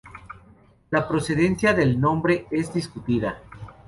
La procedencia del nombre es discutida.